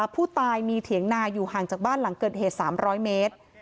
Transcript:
ผู้ตายมีเถียงนาอยู่ห่างจากบ้านหลังเกิดเหตุ๓๐๐เมตร